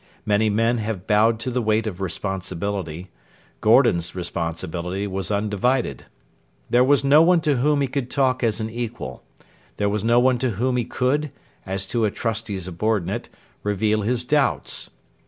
Many men have bowed to the weight of responsibility. Gordon's responsibility was undivided. There was no one to whom he could talk as an equal. There was no one to whom he could as to a trusty subordinate reveal his doubts.